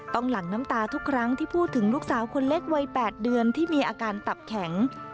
หลั่งน้ำตาทุกครั้งที่พูดถึงลูกสาวคนเล็กวัย๘เดือนที่มีอาการตับแข็ง